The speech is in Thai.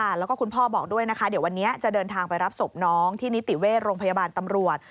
แล้วก็คุณพ่อบอกด้วยนะคะเดี๋ยววันนี้จะเดินทางไปรับศพน้องที่นิติเวชโรงพยาบาลตำรวจ